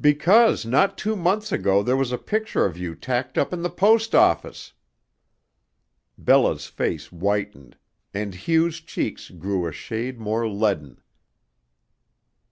"Because not two months ago there was a picture of you tacked up in the post office." Bella's face whitened, and Hugh's cheeks grew a shade more leaden.